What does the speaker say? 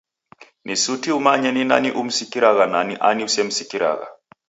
Ni suti umanye nani umsikiragha na ni ani usemsikiragha